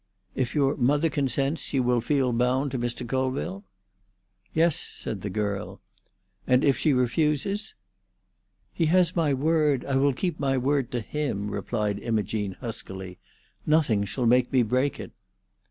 "If your mother consents, you will feel bound to Mr. Colville?" "Yes," said the girl. "And if she refuses?" "He has my word. I will keep my word to him," replied Imogene huskily. "Nothing shall make me break it."